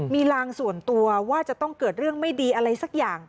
มีลางส่วนตัวว่าจะต้องเกิดเรื่องไม่ดีอะไรสักอย่าง